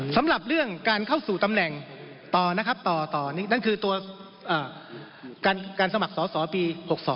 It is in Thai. สำหรับเรื่องการเข้าสู่ตำแหน่งต่อนั้นคือการสมัครสอบสอปี๖๒